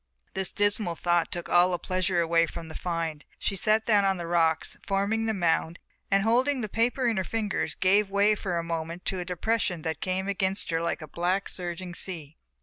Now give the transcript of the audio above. This dismal thought took all the pleasure away from the find, she sat down on the rocks forming the mound and holding the paper in her fingers gave way for a moment to a depression that came against her like a black, surging sea.